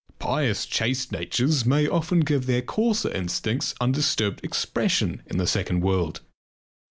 Pious chaste natures may often give their coarser instincts undisturbed expression in the second world.